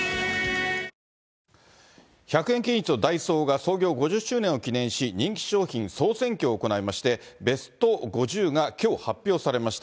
創業５０周年を記念し、人気商品総選挙を行いまして、ベスト５０がきょう発表されました。